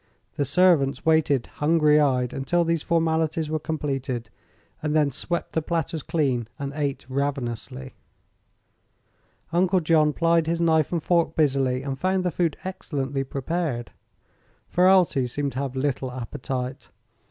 The servants waited hungry eyed until these formalities were completed, and then swept the platters clean and ate ravenously. Uncle John plied his knife and fork busily and found the food excellently prepared. Ferralti seemed to have little appetite.